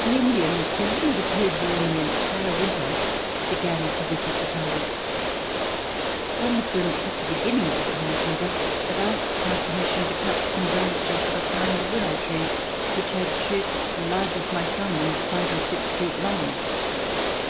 The Indians, who had not appeared during the entire winter, began to visit the farms. One of them, at the beginning of the cold weather, had asked my permission to cut some branches of a kind of willow tree which had shoots, large as my thumb and five or six feet long.